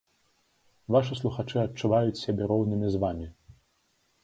Вашы слухачы адчуваюць сябе роўнымі з вамі.